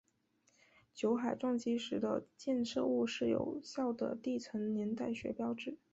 酒海撞击时的溅射物是有效的地层年代学标记。